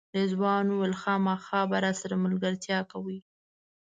رضوان وویل خامخا به راسره ملګرتیا کوئ.